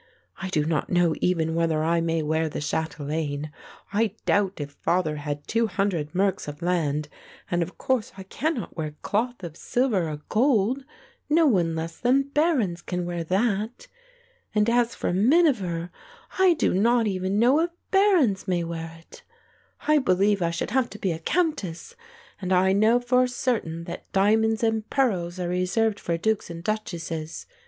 I do not know even whether I may wear the chatelaine. I doubt if father had two hundred merks of land and of course I cannot wear cloth of silver or gold, no one less than barons can wear that; and as for miniver, I do not even know if barons may wear it: I believe I should have to be a countess, and I know for certain that diamonds and pearls are reserved for dukes and duchesses.